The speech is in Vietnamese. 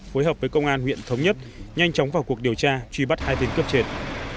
phối hợp với công an huyện thống nhất nhanh chóng vào cuộc điều tra truy bắt hai tên cướp chết